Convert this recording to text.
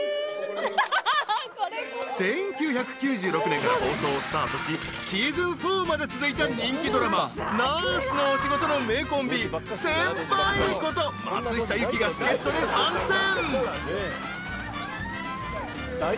［１９９６年から放送をスタートしシーズン４まで続いた人気ドラマ『ナースのお仕事』の名コンビ先輩こと松下由樹が助っ人で参戦］